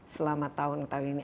selama tahun ini